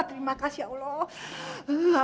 terima kasih ya allah